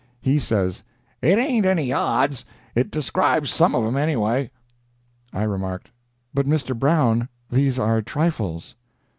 He says "It ain't any odds; it describes some of 'em, any way.") I remarked: "But, Mr. Brown, these are trifles."